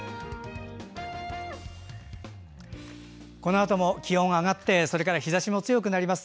このあとも気温上がって日ざしも強くなります。